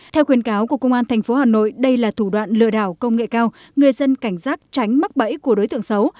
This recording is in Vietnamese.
theo khuyến cáo của công an tp hà nội đây là thủ đoạn lừa đảo công nghệ cao người dân cảnh giác tránh mắc bẫy của đối tượng xấu